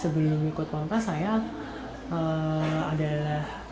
sebelum ikut wangkas saya masih masih bekerja di rumah sakit